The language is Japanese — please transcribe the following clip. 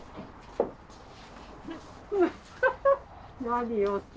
何よ